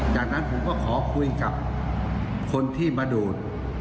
จากนั้นผมก็ขอคุยกับคนที่มาดูด